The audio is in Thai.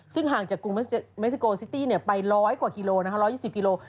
ซึ่งห่างจากกรุงเม็กซิโกซิตี้ไป๑๐๐กว่ากิโล๑๒๐กิโล